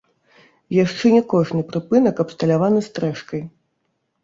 Яшчэ не кожны прыпынак абсталяваны стрэшкай.